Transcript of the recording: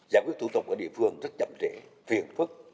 giải quyết thủ tục ở địa phương rất chậm trễ phiền phức